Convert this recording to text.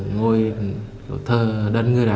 ngồi thơ đơn người đó